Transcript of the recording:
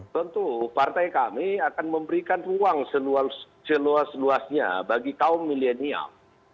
tentu partai kami akan memberikan ruang seluas luasnya bagi kaum milenial